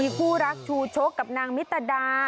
คู่รักชูชกกับนางมิตรดา